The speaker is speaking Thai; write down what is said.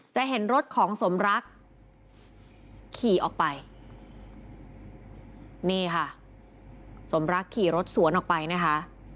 จะเห็นรถของสมรักขี่ออกไปนี่ค่ะสมรักขี่รถสวนออกไปนะคะ